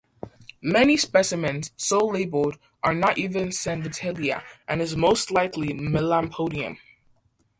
Many specimens so labelled are not even "Sanvitalia", and is most likely "Melampodium.